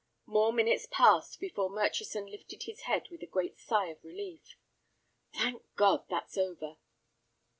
More minutes passed before Murchison lifted his head with a great sigh of relief. "Thank God, that's over."